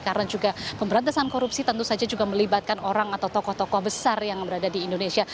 karena juga pemberantasan korupsi tentu saja juga melibatkan orang atau tokoh tokoh besar yang berada di indonesia